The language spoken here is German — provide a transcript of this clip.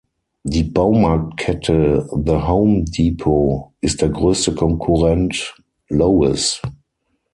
Die Baumarktkette The Home Depot ist der größte Konkurrent "Lowe’s".